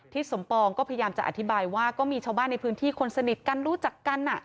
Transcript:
สมปองก็พยายามจะอธิบายว่าก็มีชาวบ้านในพื้นที่คนสนิทกันรู้จักกัน